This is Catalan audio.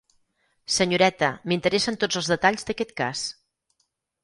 Senyoreta, m'interessen tots els detalls d'aquest cas.